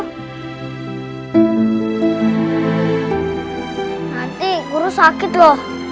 nasi guru sakit loh